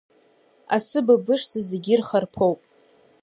Асы быбышӡа зегьы ирхарԥоуп.